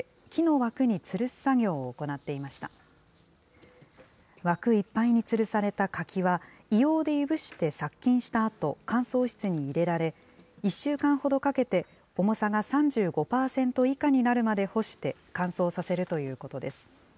枠いっぱいにつるされた柿は、硫黄でいぶして殺菌したあと乾燥室に入れられ、１週間ほどかけて重さが３５％以下になるまで干して、乾燥させるということです。